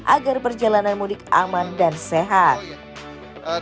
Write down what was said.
agar perjalanan mudik aman dan sehat